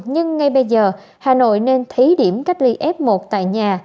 nhưng ngay bây giờ hà nội nên thí điểm cách ly f một tại nhà